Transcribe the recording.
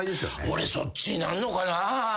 俺そっちになんのかなあ？